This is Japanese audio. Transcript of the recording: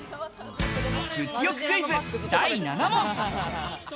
物欲クイズ第７問。